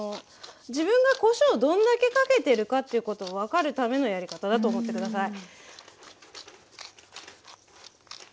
自分がこしょうどんだけかけてるかっていうことを分かるためのやり方だと思って下さい。